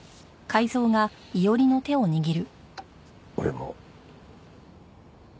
俺も。